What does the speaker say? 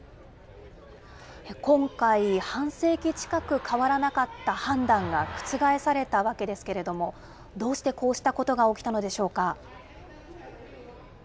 今回、半世紀近く変わらなかった判断が覆されたわけですけれども、どうしてこうしたことが起きたのでしょうか。